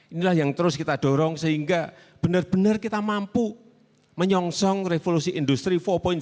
inilah yang terus kita dorong sehingga benar benar kita mampu menyongsong revolusi industri empat